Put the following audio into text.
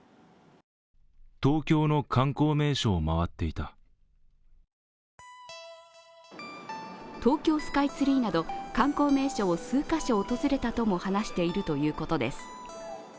ただ、その一方で東京スカイツリーなど観光名所を数カ所訪れたとも話しているということです。